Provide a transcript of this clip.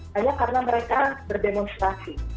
hanya karena mereka berdemonstrasi